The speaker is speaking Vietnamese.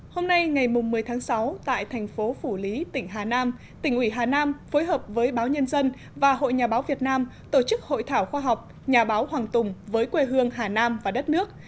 hôm nay ngày một mươi tháng sáu tại thành phố phủ lý tỉnh hà nam tỉnh ủy hà nam phối hợp với báo nhân dân và hội nhà báo việt nam tổ chức hội thảo khoa học nhà báo hoàng tùng với quê hương hà nam và đất nước